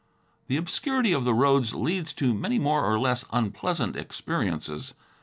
The obscurity of the roads leads to many more or less unpleasant experiences.